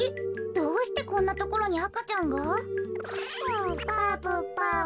どうしてこんなところにあかちゃんが？ばぶばぶ。